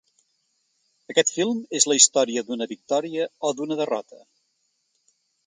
Aquest film és la història d’una victòria o d’una derrota?